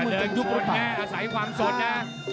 เดินยุบบนแค่อาศัยความสนนะ